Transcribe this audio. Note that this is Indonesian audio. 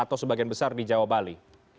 atau sebagian besar di jawa bali